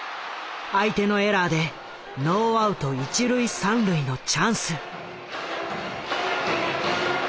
相手のエラーでノーアウト一塁三塁のチャンス。